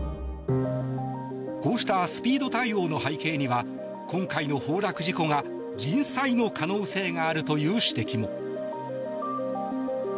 こうしたスピード対応の背景には今回の崩落事故が人災の可能性があるという指摘も。